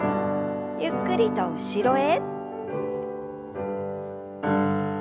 ゆっくりと後ろへ。